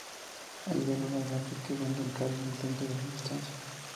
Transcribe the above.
Allí ven unas marcas que van del jardín al centro de la estancia.